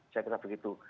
saya kira begitu